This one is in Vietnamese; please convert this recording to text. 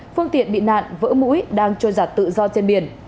phương tiện bị nạn vỡ mũi đang trôi giặt tự do trên biển